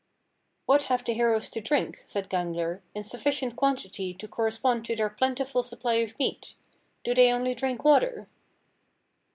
'" 40. "What have the heroes to drink," said Gangler, "in sufficient quantity to correspond to their plentiful supply of meat: do they only drink water?"